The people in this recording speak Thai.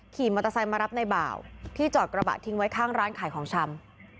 ขี่มอเตอร์ไซค์มารับในบ่าวที่จอดกระบะทิ้งไว้ข้างร้านขายของชำ